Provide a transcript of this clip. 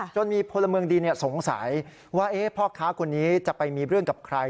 จนมีพลเมืองดีสงสัยว่าพ่อค้าคนนี้จะไปมีเรื่องกับใคร